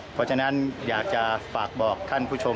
เพราะฉะนั้นอยากจะฝากบอกท่านผู้ชม